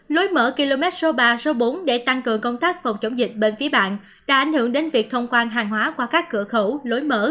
lối mở km số ba số bốn để tăng cường công tác phòng chống dịch bên phía bạn đã ảnh hưởng đến việc thông quan hàng hóa qua các cửa khẩu lối mở